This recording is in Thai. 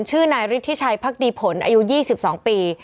ชื่อนายฤทธิชัยพักดีผลอายุ๒๒ปี